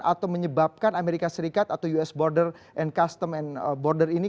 atau menyebabkan amerika serikat atau us border and custom and border ini